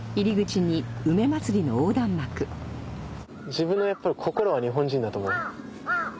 自分のやっぱり心は日本人だと思う。